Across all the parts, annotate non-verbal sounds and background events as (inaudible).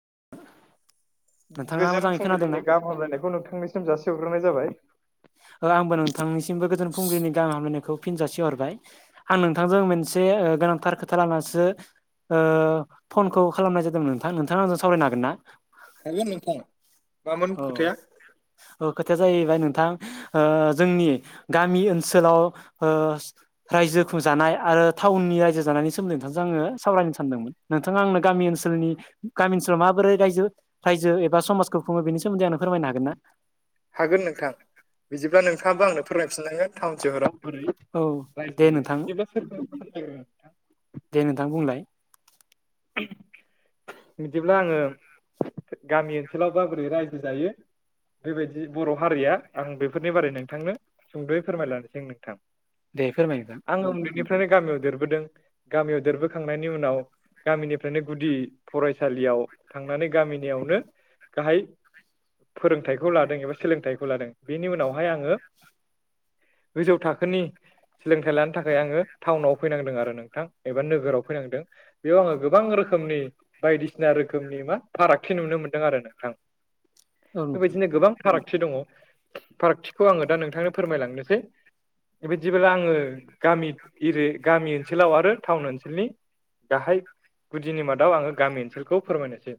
(inaudible) नोंथाङा गोजोन मोजाङै खोनादोंना फुंबिलिनि गाहाम हामलायनायखौ नोंथांनिसिम जासि हरग्रोनाय जाबाय। आंबो नोंथांनिसिमबो गोजोन फुंबिलिनि गाहाम हामलायनायखौ फिन जासि हरबाय आं नोंथांजों मोनसे। गोनांथार खोथा लानानैसो ओ फनखौ खालामनाय जादोंमोन नोंथां नोंथाङा आंजों सावरायनो हागोन ना? औ औ खोथाया जायैबाय नोंथां ओ जोंनि गामि ओनसोलाव ओ रायजोखौ जानाय आरो टाउन नि राइजो जानायनि सोनदै नोंथांजों आङो सावरायनो सानदोंमोन नोंथां आंनो गामि ओनसोलनि गामि ओनसोलाव माबोरै राय जो रायजो एबा समाजखौ खुङो बिनि सोमोन्दै आंनो फोरमायनो हागोन ना? हागोन नोंथां बिदिब्ला नोंथाङाबो आंनो फोरमायफिननांगोन टाउन सहराव बोरै औ रायजो दे जायो नोंथां एबा सोर दे नोंथां बुंलाय। बिदिब्ला आङो गामि ओनसोलाव बा बोरै रायजो जायो। बेबायदि बर' हारिया आं बेफोरनि बारै नोंथांनो सुंद'यै फोरमायलानोसै नोंथां। दे फोरमाय नोंथां। जोंनि गामियाव देरबोदों गामियाव देरबोखांनायनि उनाव गामिनिफ्रायनो गुदि फरायसालियाव थांनानै गामिनियावनो गाहाय फोरोंथाइखौ लादों एबा सोलोंथाइखौ लादों बेनि उनावहाय आङो गोजौ थाखोनि सोलोंथाइ लानो थाखाय आङो टाउनाव फैनांदों आरो नोंथां एबा नोगोराव फैनांदों। बेयाव आङो गोबां रोखोमनि बायदिसिना रोखोमनि मा फारागथि नुनो मोनदों आरो नोंथां। औ नोंथां बेबायदिनो गोबां फारागथि दङ, फारागथिखौ आङो दा नोंथांनो फोरमायलांनोसै। बेबायदिब्ला आङो गामि इरि गामि ओनसोलाव आरो टाउन ओनसोलनि गाहाय गुदिनि मा दाव आङो गामि ओनसोलखौ फोरमायनोसै।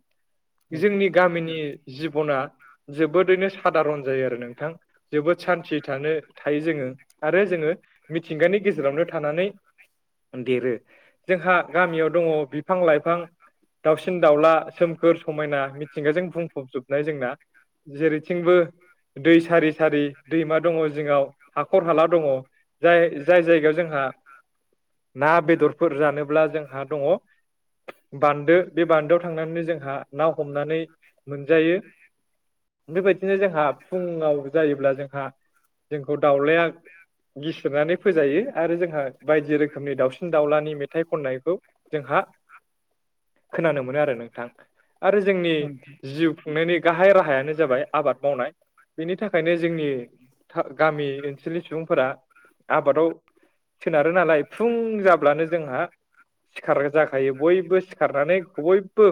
दे जोंनि गामिनि जिबना जोबोद रैनो सादारन जायो आरो नोंथां। जोबोद सान्थि थानो थायो जोङो आरो जोङो मिथिंगानि गेजेरावनो थानानै देरो जोंहा गामियाव दङ बिफां-लाइफां दाउसिन-दाउला सोमखोर समायना मिथिंगाजों बुंफबजोबनाय जोंना। जेरैथिंबो दै सारि-सारि दैमा दङ जिङाव हाखर- हाला दङ जाय जाय जायगायाव जोंहा ना बेदरफोर जानोब्ला जों हा दङ बान्दो बे बान्दोआव थांनानैनो जोंहा ना हमनानै मोनजायो। बेबायदिनो जोंहा फुङाव जायोब्ला जोंहा जोंखौ दाउलाया गिसिरनानै फोजायो आरो जोंहा बायदि रोखोमनि दाउसिन दाउलानि मेथाइ खननायखौ जोंहा खोनानो मोनो आरो नोंथां। आरो जोंनि औ नोंथां जिउ खुंनायनि गाहाय राहायानो जाबाय आबाद मावनाय बेनि थाखायनो जोंनि था गामि ओनसोलनि सुबुंफोरा आबादाव सोनारो नालाय फुं जाब्लानो जोंहा सिखार जाखायो बयबो सिखारनानै बयबो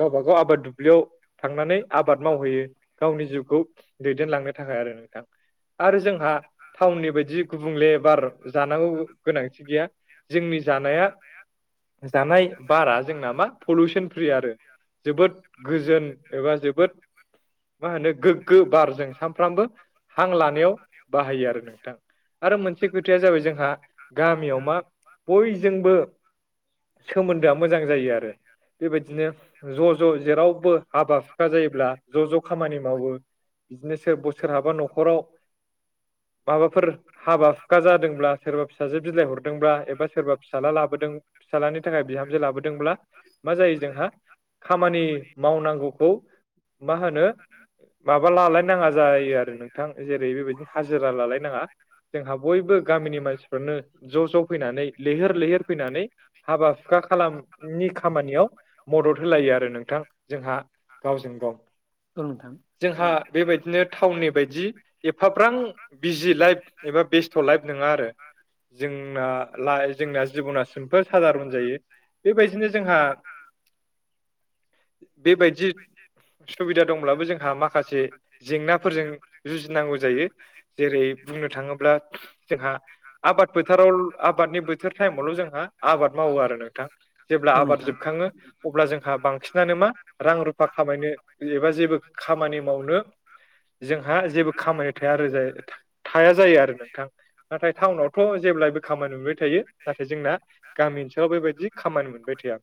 गावबा गाव आबाद दुब्लियाव थांनानै आबाद मावहैयो गावनि जिउखौ दैदेनलांनो थाखाय आरो नोंथां। आरो जोंहा टाउननि बायदि गुबुंले बार जानांगौ गोनां थि गैया जोंनि जानाया जानाय बारा जोंना मा पलिउसन फ्रि आरो। जोबोद गोजोन एबा जोबोद मा होनो गोग्गो बारजों सानफ्रामबो हां लानायाव बाहायो आरो नोंथां। आरो मोनसे खोथाया जाबाय जोंहा गामियाव मा बयजोंबो सोमोन्दोआ मोजां जायो आरो बेबायदिनो ज' ज' जेरावबो हाबा-हुखा जायोब्ला ज' ज' खामानि मावो बिदिनो सो-बोसोरहाबा न'खराव माबाफोर हाबा-हुखा जादोंब्ला सोरबा फिसाजो बिलाइ हरदोंब्ला एबा सोरबा फिसाला लाबोदों फिसालानि थाखाय बिहामजो लाबोदोंब्ला मा जायो जोंहा खामानि मावनांगौखौ मा होनो माबा लालाय नाङा जायो आरो नोंथां जेरै बेबायदिनो हाजिरा लालाय नाङा। जोंहा बयबो गामिनि मानसिफ्रानो ज' ज' फैनानै लैहोर लैहोर फैनानै हाबा-हुखा खालामनि खामानियाव मदद होलायो आरो नोंथां जोंहा। गावजों गाव औ नोंथां जोंहा बेबायदिनो टाउननि बायदि एफाफ्रा बां बिजि लाइफ एबा बेस्थ' लाइफ नङा आरो। जोंना ला जोंना जिब'ना सिमफोल सादारन जायो। बेबायदिनो जोंहा बेबायदि (inaudible) सुबिदा दंब्लाबो जोंहा माखासे जेंनाफोरजों जुजिनांगौ जायो। जेरै बुंनो थाङोब्ला जोंहा आबाद फोथाराव आबादनि बोथोर टाइमावल' जोंहा आबाद मावो आरो नोंथां जेब्ला औ आबाद नोंथां जोबखाङो अब्ला जोंहा बांसिनानो मा रां रुफा खामायनो एबा जेबो खामानि मावनो जोंहा जेबो खामानिनो थाया आरो। जाय थाख थाख हाया जायो आरो नोंथां। नाथाय टाउनावथ' जेब्लायबो खामानि मोनबाय थायो नाथाय जोंना गामि ओनसोलाव बेबायाददि खामानि मोनबाय थाया।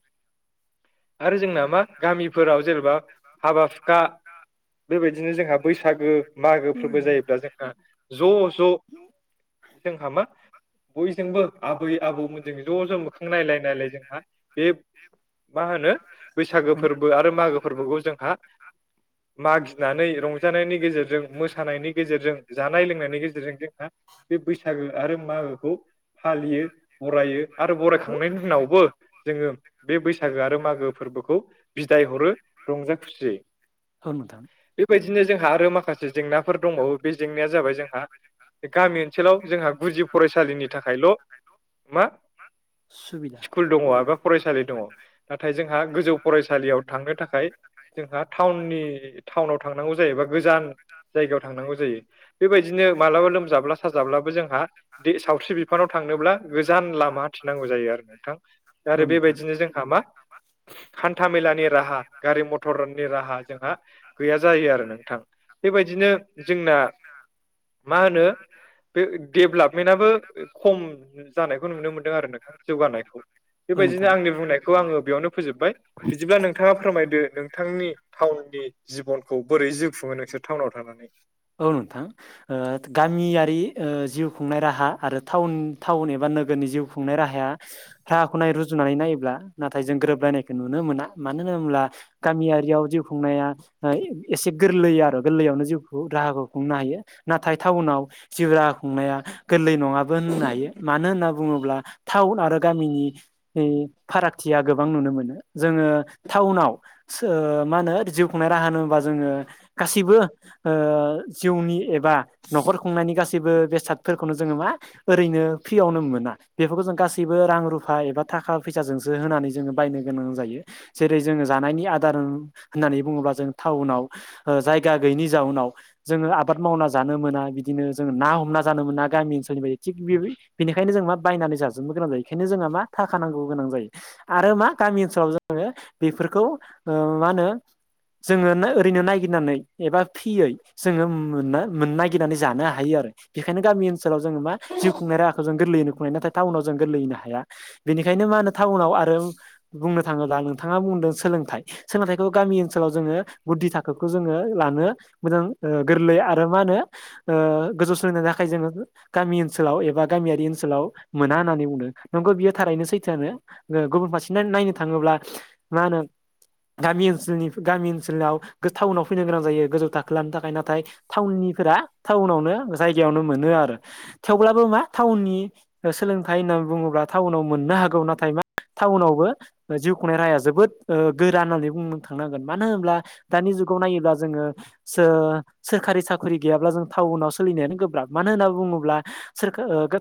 आरो जोंना मा गामिफोराव जेनेबा हाबा हुखा बेबायदिनो जोंहा बैसागो मागोफोरबो जायोब्ला जोंहा ज' ज' (inaudible) जोंहा मा बयजोंबो आबै आबौमोन ज' ज' मोखां नायलाय नायलाय जोंहा बे मा होनो बैसागो फोरबो आरो मागो फोरबोखौ जोंहा मागि नानै रंजानायनि गेजेरजों मोसानायनि गेजेरजों जानाय लोंनायनि गेजेरजों जोंहा बे बैसागो गो आरो मागोखौ फालियो बरायो। आरो औ बरायखांनायनि उनावबो जोङो बे बैसागो आरो मागो फोरबोखौ बिदाय हरो। रंजा खुसियै। औ नोंथां। बिदिनो जोंहा आरो माखासे जेंनाफोर दंबावो बे जेंनाया जाबाय जोंहा गामि ओनसोलाव जोंहा गुजि (unintelligible) मा। सुबिद स्कुल दङ एबा फरायसालि दङ नाथाय जोंहा गोजौ फरायसालियाव थांनो थाखाय जोंहा टाउननि टाउनाव थांनांगौ जायोबा गोजान जायगायाव थांनांगौ जायो, बेबायदिनो मालाबा लोमजाब्ला साजाब्लाबो जोंहा सावस्रि बिफानाव थांनोब्ला गोजान लामा हाथिनांगौ जायो आरो नोंथां, आरो औ नोंथां बेबायदिनो जोंहा मा? हान्थामेलानि राहा गारि मथरनि राहा जोंहा गैया जायो आ रो नोंथां बेबायदिनो जोंना मा होनो बे देभेलपमेन्टआबो खम जानायखौ नुनो मोनदों आरो। नोंथां जौगानायखौ। औ बेबायदिनो नोंथां आंनि बुंनायखौ आङो बेयावनो फोजोबबाय बिदिब्ला नोंथाङा फोरमायदो नोंथांनि टाउन नि जिबनखौ बोरै जिउ खुङो नोंसोर टाउनाव थानानै (inaudible) औ नोंथां ओ गामिया रि जिउ खुंनाय राहा आरो टाउ- टाउन एबा नोगोरनि जिउ खुंनाय राहाया (unintelligible) जुनानै नायोब्ला नाथाय जों गोरोबलायनायखौ नुनो मोना मानो होनोब्ला गामियारियाव जिउ खुंनाया ओ एसे गरलै आरो गोरलैआवनो जिउ राहाखौ खुंनो हायो नाथाय टाउनाव जिउ राहा खुंनाया गो गोरलै नङाबो होननो हायो मानो होनना बुङोब्ला थाउन आरो गामिनि नि फारागथिया गोबां नुनो मोनो। जोङो टाउनाव सो- माहोनो जिउ खुंनाय राहा होनोबा जोङो। गासैबो ओ जिउनि एबा न'खर खुंनायनि गासैबो बेसादफोरखौनो जोङो मा ओरैनो फ्रियावनो मोना बेफोरखौ जों गासैबो रां रुफा एबा थाखा फैसाजोंसो होनानै जोङो बायनो गोनां जायो। जेरै जोङो जानायनि आदार होननानै बुङोब्ला जों टाउनाव जायगा गैयैनि जाउनाव जोङो आबाद मावना जानो मोना बिदिनो जोङो ना हमना जानो मोना गामि थि बेनिखायनो जों मा बायनानै जाजोबनो गोनां जायो बेखायनो जोंहा मा थाखा नांगौ गोनां जायो आरो। मा गामि ओनसोलाव जोंङो बेफोरखौ ओ माहोनो जोङो ओैरैनो नायगिर नानै एबा फियै जोङोनागिरनानै जानो हायो आरो बेखायनो गामि ओनसोल ओनसोलाव जो मा जिउ खुंनाय राखौ जों गोरैयैनो खुंनोहायो नाथाय जों थाउनाव जों गोरलैनो हाया बेनिखाय मा होनो थाउनाव आरो बुंनो थाङोब्ला नोंथाङा बुंदों सोलोंथाइ सोंलोंथाइखौ गामि ओनसोलाव जोङो गुदि थाखो खौ जोङो लानो मोजां गोरलै आरो मा होनो ओ गोजौ सोलिनायनि थाखाय जोङो गामि ओनसोलाव एबा गामियारि ओनसोलाव मोना होननानै बुंदों नंगौ बियो थारैनो सैथोआनो। गुबुन फारसेनो नायनो थाङोब्ला मा होनो गामि ओनसोलनि गामि ओनसोलाव टाउनाव फैनो गोनां जायो गोजौ थाखोलनि थाखाय नाथाय टाउननिफोरा टाउनावनो जायगायावनो मोनो आरो। आरो थेवब्लाबो मा टाउननि सोलोंथाइ होननानै बुङोब्ला टाउनाव मोननो हागौ नाथाय मा टाउनावबो जिउ खुंनाय राहाया जोबोद गोरान होननानै बुंनो थांनांगोन मानो होनब्ला दानि जुगाव नायोब्ला जोङो सोरखारि साखर्रि गैयाब्ला जों टाउनाव सोलिनायानो गोब्राब म मानो होनना बुङोब्ला सोर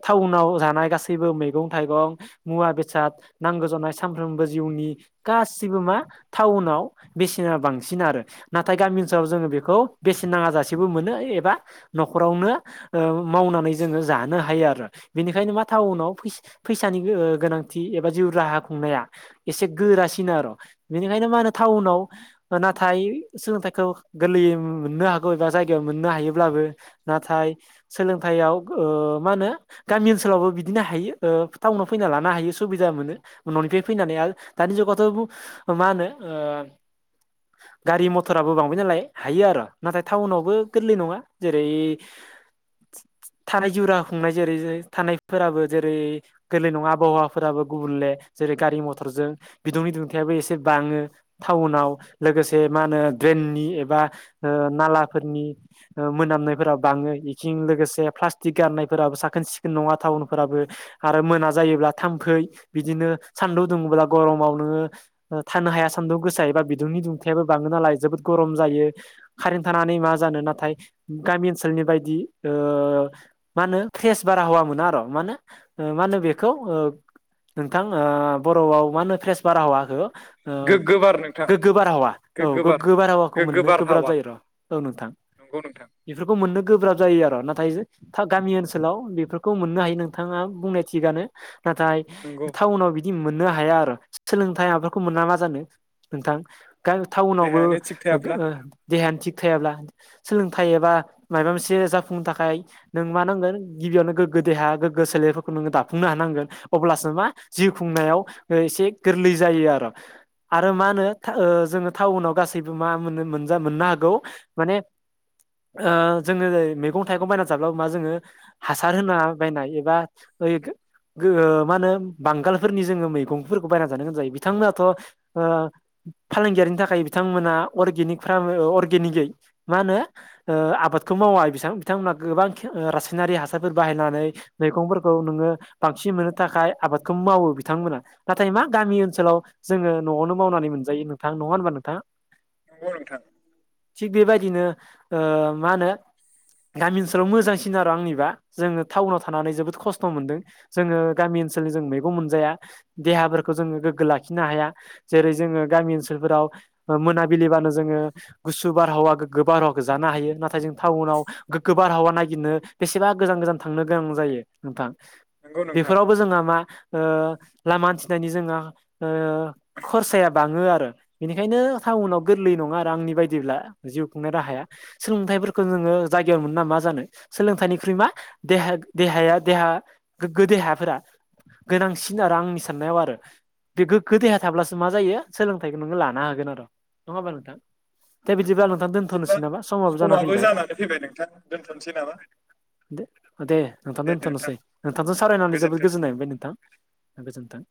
टाउनाव जानाय गासैबो मैगं थाइगं मुवा बेसाद नांगौ जानाय सानफ्रोमबो जिउनि गासिबो मा टाउनाव बेसेना बांसिन बांसिन आरो नाथाय गामि ओनसोलाव जोङो बेखौ बेसेन नाङा जाासेबो मोनो एबा न'खरावनो मावनानै जोङो जानो हायो बेनिखायनो मा टाउनाव फैसानि गोनांथि एबा जिउ राहा खुंनाया एसे गोरासिनो आरो' बिनिखायनो मा होनो टाउनाव नाथाय सोलोंथाइखौ गोरलैयै मोननो हागौ एबा जायगायाव मोननो हायोब्लाबो नाथाय सोलोंथायाइयाव मा होनो गामि ओनसोलावबो बिदिनो हायो टाउनाव फैनानै लानो हायो सुबिदा मोनो न'निफ्राय फैनानै दानि जुगावथ' मा होनो (unintelligible) गारि मथराबो बांबाय नालाय हायो आरो नाथाय टाउनावबो गोरलै नङा जेरै (unintelligible) थानाय जिउ राहा खुंनाय जेरै थानायफोराबो जेरै गोरलै नङा आबहावाफोराबो गुबुनले जेरै गारि मथरजों बिदुंनि दुंथायाबो एसे बाङो टाउनाव लोगोसे मा होनो ड्रेननि एबा नालाफोरनि मोनामनायफोराव बाङै बेथि लोगोसे प्लास्टिक गारनायफोराबो साखोन सिखोन नङा टाउनफोराबो आरो मोना जायोब्ला थाम फै बिदिनो सानदुं दुङब्ला गरमाव नोङो थानो हाया सानदुं गोसायोबा बि दुंनि दुंथायाबो बाङो नालाय जोबोद गरम जायो कारेन्ट थानानै मा जानो नाथाय गामि ओनसोलनि बदि ओ मा होनो फ्रेस बारा हौवा मोना आरो मा मानो मा होनो बेखौ ओ नोंथां बर'आव मा होनो फ्रेस बारा हवाखै गोगो बार नोंथां गोग्गो बारहावा औ गोग्गो बारहावाखौ गोग्गो मोननो गोब्राब बारहावा जायो र' औ नोंथां नंगौ नोंथां बेफोरखौ मोननो गोब्राब जायो आरो' नाथाय गामि ओनसोलाव बेफोरखौ मोननो हायो नोंथाङा बुंनाय थिगानो नाथाय नंगौ टाउनाव बिदि मोननो हाया आरो सोलोंथाइ माबाफोरखौ मोना मा जानो नोंथां टाउनावबो देहायानो थिग थायाब्ला देहायानो थिग थाब्ला सोलोंथाइ एबा माबा मोनसे जाफुंनो थाखाय नों मा नांगोन गिबियावनो गोग्गो देहा गोग्गो सोलेरफोरखौनोङो दाफुंनो हानांगोन अब्लासो मा जिउ खुंनायाव एसे गोरलै जायो आरो आरो मा होनो जोङो टाउनाव गासैबो मा मोन मोन मोननो हागौ माने जोङो मैगं थाइगं बायना जाब्ला मा जोङो हासार होना बायनाय एबा ओ मा होनो बांगालफोरनि जोङो मैगंफोरखौ बायना जानो गोनां जायो बिथांमोनाथ' ओ फालांगियारिनि थाखाय बिथांमोना अर्गेनिक फारम अर्गेनिकै मा होनो ओ आबादखौ मावा बिथांमोनहा गोबां रासायनारि हासारफोर बाहायनानै मैगंफोरखौ बांसिननो थाखाय आबादखौ मावो बिथांमोना नाथाय मा गामि ओनोलाव जोङो न'आवनो मावनानै मोनजायो नोंथां नङा होनबा नोंथाङा औ थां थिग बेबायदिनो ओ मा होनो गामि ओनसोलाव मोजांसिन आरो आंनिबा जोङो टाउनाव थानानै जोबोद खस्थ' मोनदों जोङो गामि ओनसोलनि जों मैगं मोनजाया देहाफोरखौ जोङो गोग्गो लाखिनो हाया जेरै जोङो गामि ओनसोलफोराव मोनाबिलिबानो जोङो गुसु बारहावा गोग्गो बारहावाखौ जानो थांनो हायो नाथाय जों टाउनाव गोगो बारहावा ननायागिरनो बेसेबा गोजान गोजान थांनो गोनां जायो नोंथां नंगौ नोंथां बेफोरावबो जोंहा मा ओ लामा हान्थिनायनि जोङहा खरसाया बाङो आरो बेनिखायनो टाउनाव नंगौ। गोरलै नङा आरो आंनि बायदि बिदिब्ला जिउ खुंनाय राहाया सोंलोंथायफोरखौ जोङो जायगायाव मोनो ना सोलोंथाइनिख्रुइ मा देह दहा देहा गोग्गो देहाफोरा गोनांसिन आरो आंनि साननायाव आरो बे गोग्गो देहा थाब्लासो मा जायो सोलोंथाइखौ नोङो लानो हागोन आरो' नङा होमा नोंथां दे बिदिब्ला नोंथां। दोनथ'नोसै बिदिबां नामा जाना समाबो फैबाय जानानै फैबाय नोंथां दोनथ'नोसै नामा! दे दे दे नोंथांनो नोंथां दोनथ'नोसै। नोंथांजों सावरायनानै गोजोन्थों जोबोद गोजोननाय मोनबाय नोंथां। गोजोन्थों।